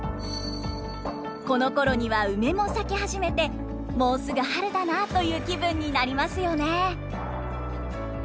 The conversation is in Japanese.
このころには梅も咲き始めて「もうすぐ春だなあ」という気分になりますよね。